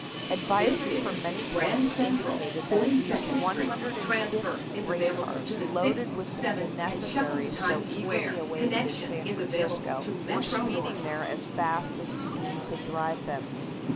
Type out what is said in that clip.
Advices from many points indicated that at least 150 freight cars loaded with the necessaries so eagerly awaited in San Francisco were speeding there as fast as steam could drive them.